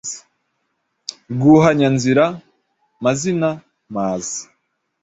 Rwuhanya-nzira, Mazina, Maza